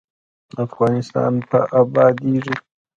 افغانستان به ابادیږي